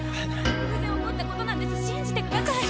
偶然起こったことなんです信じてください！